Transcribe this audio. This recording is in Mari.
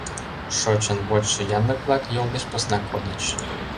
Шочын вочшо янлык-влак йол деч посна кодыч.